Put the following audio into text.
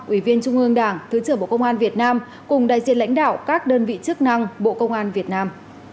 ủy viên trung ương đảng thứ trưởng bộ công an việt nam